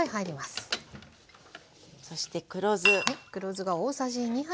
そして黒酢。